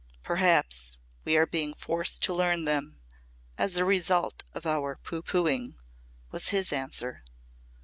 "Perhaps we are being forced to learn them as a result of our pooh poohing," was his answer.